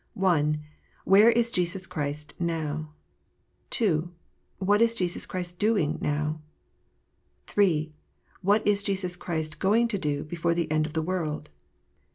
I. Where is Jesus Clirist now ? II. What is Jesus Christ doing now ? III. What is Jesus Christ going to do before the end of the world